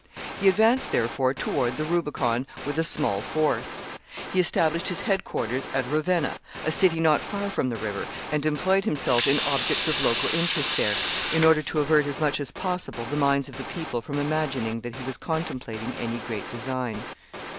He advanced, therefore, toward the Rubicon with a small force. He established his headquarters at Ravenna, a city not far from the river, and employed himself in objects of local interest there, in order to avert as much as possible the minds of the people from imagining that he was contemplating any great design.